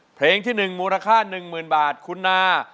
เพลงที่๑มูลค่า๑๐๐๐บาทคุณนา